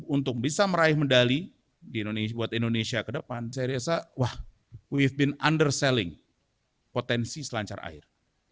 untuk bisa meraih medali buat indonesia ke depan saya rasa wah we've been underselling potensi selancar air